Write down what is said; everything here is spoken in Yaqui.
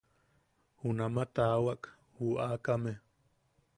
Junamaʼa taawak ju aakame.